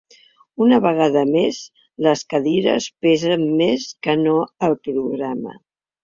Una vegada més, les cadires pesen més que no el programa.